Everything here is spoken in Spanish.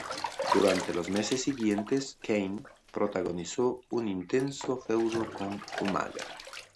Durante los meses siguientes Kane protagonizó un intenso feudo con Umaga.